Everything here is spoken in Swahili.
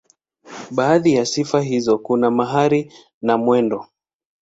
Baadhi ya sifa hizo kuna mahali na mwendo.